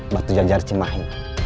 batu jajar cimahi